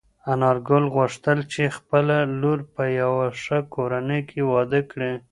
انارګل غوښتل چې خپله لور په یوه ښه کور کې واده کړي.